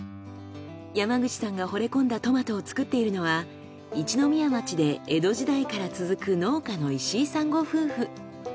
山口さんがほれ込んだトマトを作っているのは一宮町で江戸時代から続く農家の石井さんご夫婦。